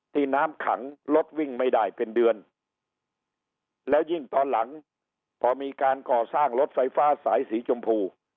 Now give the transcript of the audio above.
น้ำขังรถวิ่งไม่ได้เป็นเดือนแล้วยิ่งตอนหลังพอมีการก่อสร้างรถไฟฟ้าสายสีชมพู